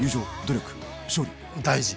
大事。